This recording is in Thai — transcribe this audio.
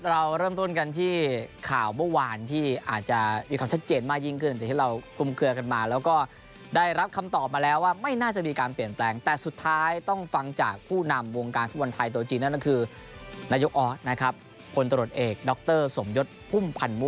เราเริ่มต้นกันที่ข่าวเมื่อวานที่อาจจะมีคำชัดเจนมากยิ่งขึ้น